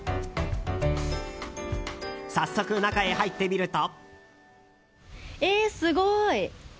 早速、中へ入ってみると。